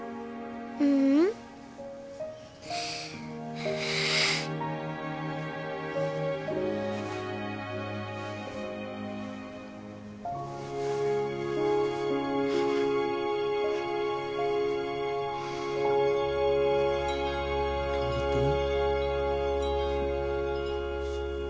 ううん。頑張ったな。